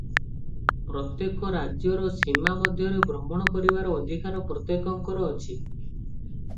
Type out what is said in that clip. ପ୍ରତ୍ୟେକ ରାଜ୍ୟର ସୀମା ମଧ୍ୟରେ ଭ୍ରମଣ କରିବାର ଅଧିକାର ପ୍ରତ୍ୟେକଙ୍କର ଅଛି ।